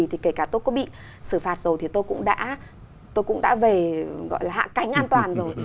thì kể cả tôi có bị xử phạt rồi thì tôi cũng đã về gọi là hạ cánh an toàn rồi